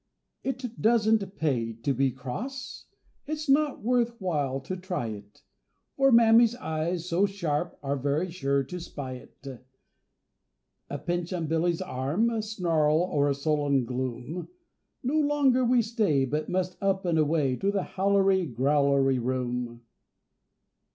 IT doesn't pay to be cross,— It's not worth while to try it; For Mammy's eyes so sharp Are very sure to spy it: A pinch on Billy's arm, A snarl or a sullen gloom, No longer we stay, but must up and away To the Howlery Growlery room.